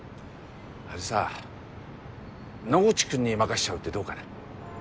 あれさ野口君に任せちゃうってどうかな？